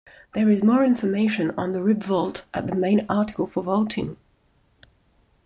There is more information on the rib vault at the main article for vaulting.